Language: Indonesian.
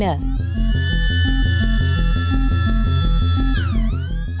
pemantauan langsung dari cctv